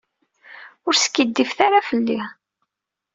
Ur skiddibet ara fell-i.